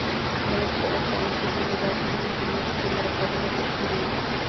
د مختلفو عنصرونو د اتومونو په منځ کې مرکبونه تشکیلیږي.